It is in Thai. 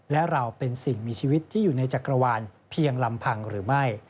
และเราเป็นสิ่งมีชีวิตที่อยู่ในจักรวาลเพียงลำพังหรือไม่